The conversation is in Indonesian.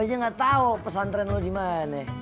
gue aja gak tau pesantren lo dimana yeh